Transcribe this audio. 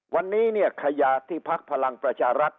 วันนี้เนี่ยขยาที่พักพลังประชารัฐ